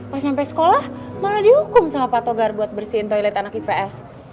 pas sampai sekolah malah dihukum sama pak togar buat bersihin toilet anak ips